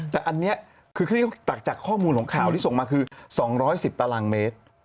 แต่อันนี้คือจากข้อมูลของข่าวที่ส่งมาคือ๒๑๐ตารางเมตร